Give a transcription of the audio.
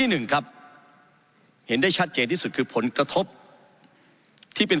หนึ่งครับเห็นได้ชัดเจนที่สุดคือผลกระทบที่เป็น